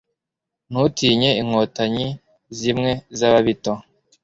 ntutinye inkotanyi zimwe z,ababito